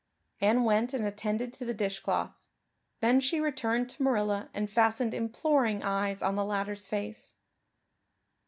Anne went and attended to the dishcloth. Then she returned to Marilla and fastened imploring eyes of the latter's face.